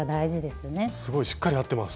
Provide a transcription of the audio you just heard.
すごいしっかり合ってます。